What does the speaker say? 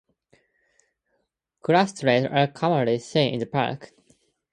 Grasstrees are commonly seen in the park.